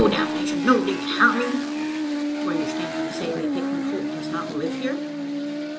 damnation, no! Didn't ye hear me!" "Do I understand you to say, that Hickman Holt does not live here?"